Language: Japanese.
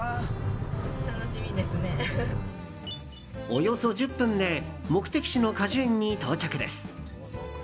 およそ１０分で目的地の果樹園に到着です。